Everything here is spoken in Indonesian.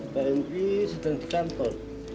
pak henry sedang di kantor